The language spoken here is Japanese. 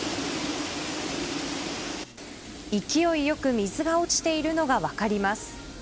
勢いよく水が落ちているのが分かります。